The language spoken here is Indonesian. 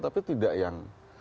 tapi tidak yang